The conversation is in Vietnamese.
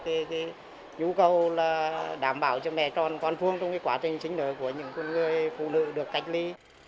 thì nhu cầu là đảm bảo cho mẹ tròn con phương trong quá trình sinh nở của những người phụ nữ được cách ly